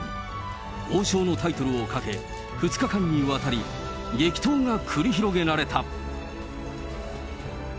王将のタイトルをかけ、２日間にわたり、激闘が繰り広げられた。